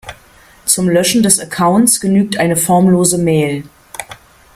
Zum Löschen des Accounts genügt eine formlose Mail.